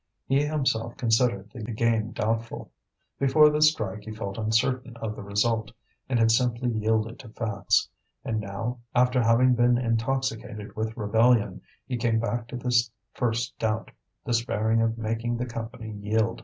He himself considered the game doubtful. Before the strike he felt uncertain of the result, and had simply yielded to facts; and now, after having been intoxicated with rebellion, he came back to this first doubt, despairing of making the Company yield.